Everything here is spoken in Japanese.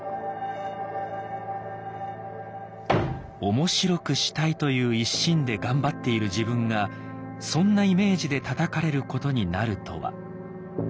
面白くしたいという一心で頑張っている自分がそんなイメージでたたかれることになるとは。